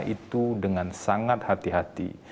itu dengan sangat hati hati